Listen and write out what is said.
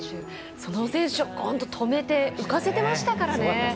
その選手を止めて浮かせてましたからね。